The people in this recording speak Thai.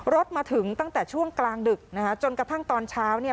รถมาถึงตั้งแต่ช่วงกลางดึกนะคะจนกระทั่งตอนเช้าเนี่ย